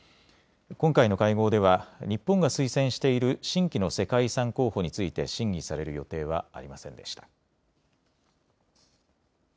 今回の会合では日本が推薦している新規の世界遺産候補について審議される予定はありませんでした。